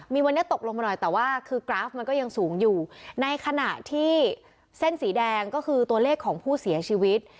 มีวันนี้ตกลงมาหน่อยแต่ว่าคือกราฟมันก็ยังสูงอยู่ในขณะที่เส้นสีแดงก็คือตัวเลขของผู้เสียชีวิต